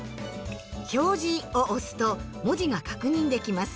「表示」を押すと文字が確認できます。